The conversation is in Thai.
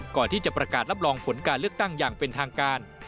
ก่อนที่จะประกาศรับรองผลการเลือกตั้งอย่างเป็นทางการ